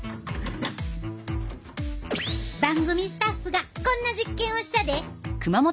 番組スタッフがこんな実験をしたで。